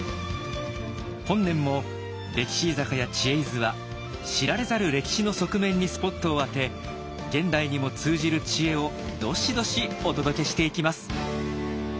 本年も歴史居酒屋知恵泉は知られざる歴史の側面にスポットを当て現代にも通じる知恵をどしどしお届けしていきます。